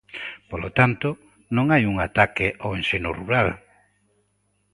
Polo tanto, non hai un ataque ao ensino rural.